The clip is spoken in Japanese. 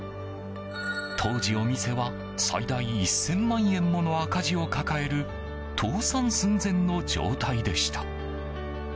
当時お店は最大１０００万円もの赤字を抱える倒産寸前の状態でした。